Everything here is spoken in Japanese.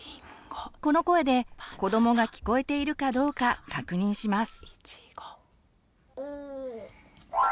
この声で子どもが聞こえているかどうか確認します。